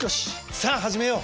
さあ、はじめよう！